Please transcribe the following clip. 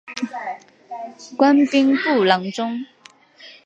官兵部郎中。